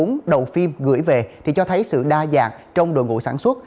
trong vòng hai mươi bốn đầu phim gửi về cho thấy sự đa dạng trong đội ngũ sản xuất